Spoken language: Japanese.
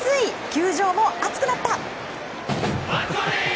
球場も熱くなった！